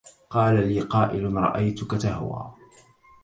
قال لي قائل رأيتك تهوى